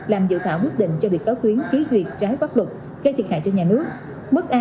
làm dự thảo quyết định cho bị cáo tuyến ký duyệt trái góp luật gây thiệt hại cho nhà nước